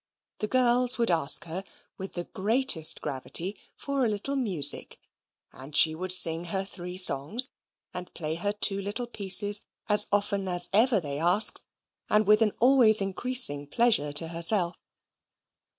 The girls would ask her, with the greatest gravity, for a little music, and she would sing her three songs and play her two little pieces as often as ever they asked, and with an always increasing pleasure to herself.